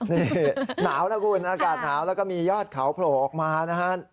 นี่หนาวนะคุณอากาศหนาวแล้วก็มียอดเขาโผล่ออกมานะฮะ